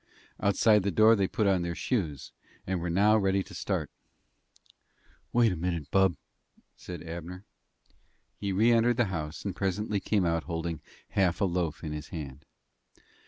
Outside the door they put on their shoes, and were now ready to start. "Wait a minute, bub," said Abner. He re entered the house, and presently came out holding half a loaf in his hand.